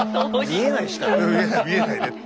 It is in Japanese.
見えないしなって。